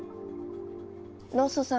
ロッソさん